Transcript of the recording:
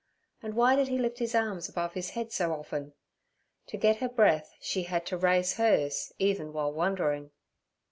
and why did he lift his arms above his head so often? To get her breath she had to raise hers even while wondering.